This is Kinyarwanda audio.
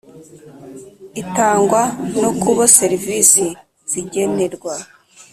Itangwa no ku bo servisi zigenerwa